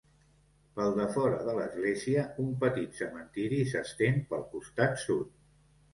Pel defora de l'església, un petit cementiri s'estén pel costat sud.